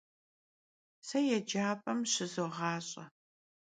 Se yêcap'em şızoğaş'e.